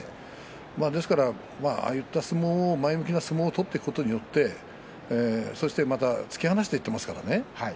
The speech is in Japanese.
ですからああいった相撲前向きな相撲を取っていくことによってそしてまた突き放していっていますからね。